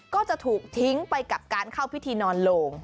ก็จะถูกทิ้งไปกับการเข้าพิธีนอนโลง